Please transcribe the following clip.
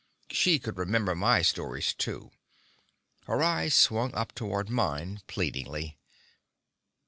She could remember my stories, too. Her eyes swung up toward mine pleadingly.